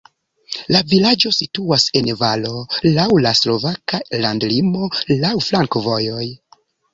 La vilaĝo situas en valo, laŭ la slovaka landlimo, laŭ flankovojoj.